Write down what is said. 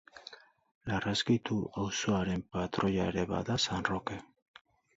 Larraskitu auzoaren patroia ere bada San Roke.